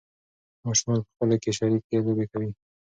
ماشومان په خپلو کې شریکې لوبې کوي.